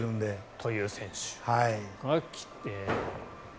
という選手。